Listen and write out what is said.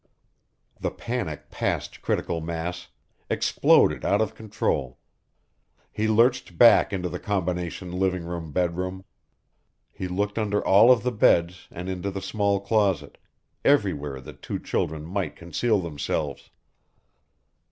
The panic passed critical mass, exploded out of control. He lurched back into the combination living room, bed room. He looked under all of the beds and into the small closet everywhere that two children might conceal themselves.